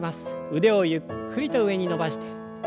腕をゆっくりと上に伸ばして。